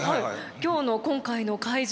今日の今回の会場